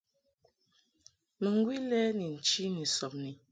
Mɨŋgwi lɛ ni nchi ni sɔbni.